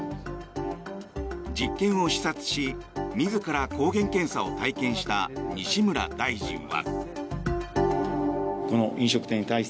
実験を視察し自ら抗原検査を体験した西村大臣は。